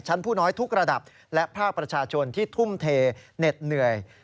ผู้น้อยทุกระดับและภาคประชาชนที่ทุ่มเทเหน็ดเหนื่อย